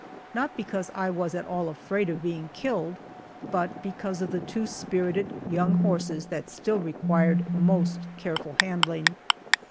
Not because I was at all afraid of being killed, but because of the two spirited young horses that still required most careful handling.